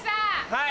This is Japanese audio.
はい。